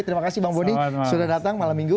terima kasih bang boni sudah datang malam minggu